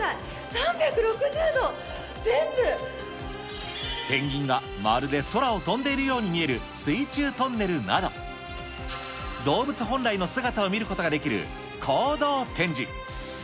３６０度、ペンギンがまるで空を飛んでいるように見える水中トンネルなど、動物本来の姿を見ることができる行動展示。